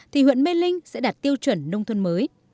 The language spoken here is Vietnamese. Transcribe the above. thì huyện mê linh sẽ đạt tiêu chuẩn nông thôn mới